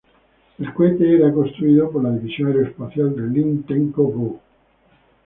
El cohete era construido por la división aeroespacial de Ling-Temco-Vought.